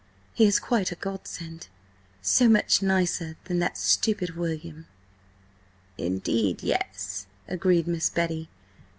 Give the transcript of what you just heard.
"He is quite a godsend. So much nicer than that stupid William." "Indeed, yes," agreed Miss Betty.